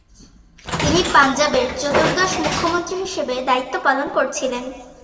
তিনি পাঞ্জাবের চতুর্দশ মুখ্যমন্ত্রী হিসেবে দায়িত্ব পালন করেছিলেন।